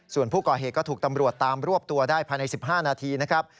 ส่วนผู้ก่อเหตุก็ถูกตำรวจตามรวบตัวได้ภายใน๑๕นาทีนะครับ